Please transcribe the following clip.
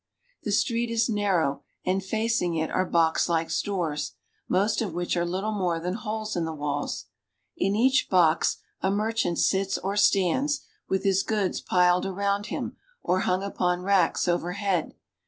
The street i irrow, and facing it are boxlike stores, most of which are ' ttle more than holes in the walls. In each box a mer lant sits or stands, with his goods piled around him or Mng upon racks overhead.